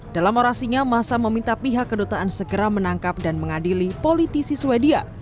dalam orasinya masa meminta pihak kedutaan segera menangkap dan mengadili politisi swedia